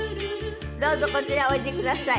どうぞこちらへおいでください。